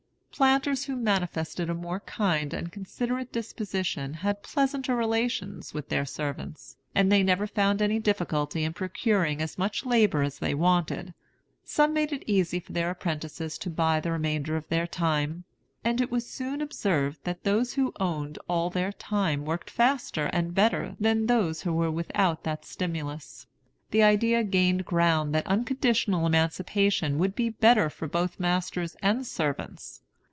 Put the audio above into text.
Planters who manifested a more kind and considerate disposition had pleasanter relations with their servants, and they never found any difficulty in procuring as much labor as they wanted. Some made it easy for their apprentices to buy the remainder of their time; and it was soon observed that those who owned all their time worked faster and better than those who were without that stimulus. The idea gained ground that unconditional emancipation would be better both for masters and servants.